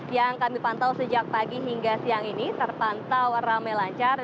yang kami pantau sejak pagi hingga siang ini terpantau rame lancar